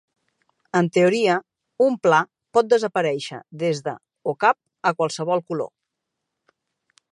En teoria un pla pot desaparèixer des de o cap a qualsevol color.